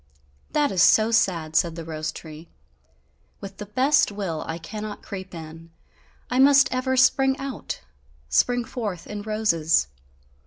"That is so sad," said the rose tree, "with the best will, I cannot creep in, I must ever spring out, spring forth in roses.